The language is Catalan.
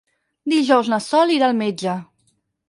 Dijous na Sol irà al metge.